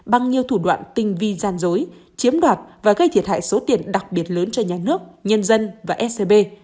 bằng nhiều thủ đoạn tinh vi gian dối chiếm đoạt và gây thiệt hại số tiền đặc biệt lớn cho nhà nước nhân dân và scb